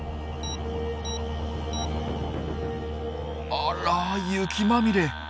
あら雪まみれ。